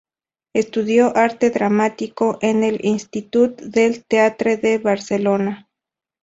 Estudió arte dramático en el Institut del Teatre de Barcelona.